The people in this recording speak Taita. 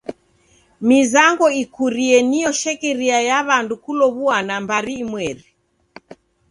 Mizango ikurie nio shekeria ya w'andu kulow'uana mbari inmweri.